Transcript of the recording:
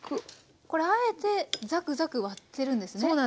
これあえてザクザク割ってるんですね？